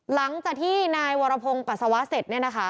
หลังจากที่นายวรพงษ์ปัสสาวะเสร็จ